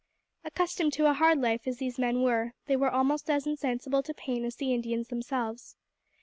Accustomed to a hard life as these men were, they were almost as insensible to pain as the Indians themselves.